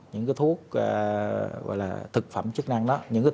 những thuốc thực phẩm chức năng